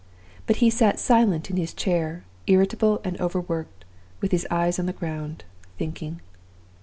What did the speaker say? But he sat silent in his chair, irritable and overworked, with his eyes on the ground, thinking.